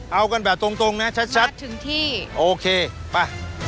เอากันแบบตรงตรงนะชัดชัดถึงที่โอเคไป